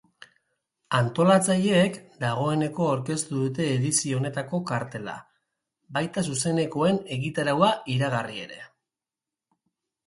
Antolatzaileek dagoeneko aurkeztu dute edizio honetako kartela, baita zuzenekoen egitaraua iragarri ere.